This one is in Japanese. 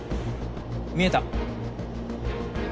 見えた！